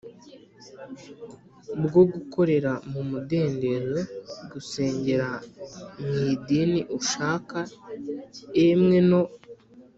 bwo gukorera mu mudendezo, gusengera mu idini ushaka, emwe no